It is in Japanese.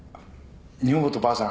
女房とばあさん